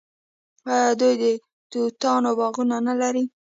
آیا دوی د توتانو باغونه نلري؟